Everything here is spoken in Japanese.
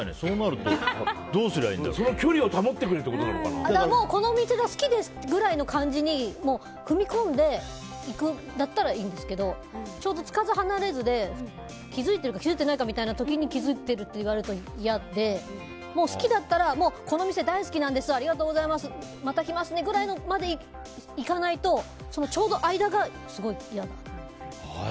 その距離をこの店が好きですくらいの感じで踏み込んでいくんだったらいいですけどちょうど、つかず離れずで気づいているかどうかのところで気づいてるって言われると嫌で好きだったらこの店大好きなんですありがとうございますまた来ますねぐらいまでいかないとちょうど間がすごい嫌だ。